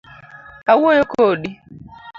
Awuoyo kodi .